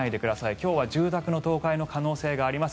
今日は住宅の倒壊の可能性があります。